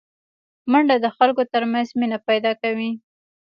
منډه د خلکو ترمنځ مینه پیداکوي